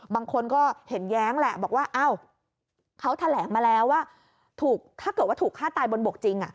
บางคนก็เห็นแย้งแหละบอกว่าอ้าวเขาแถลงมาแล้วว่าถ้าเกิดว่าถูกฆ่าตายบนบกจริง